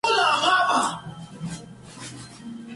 Vuela en Tanzania y Kenia.